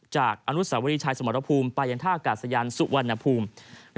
อนุสาวรีชายสมรภูมิไปยังท่ากาศยานสุวรรณภูมิ